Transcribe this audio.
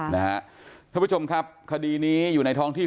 ท่านผู้ชมครับคดีนี้อยู่ในท้องที่